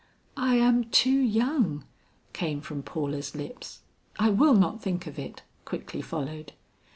"I am too young!" came from Paula's lips. "I will not think of it!" quickly followed.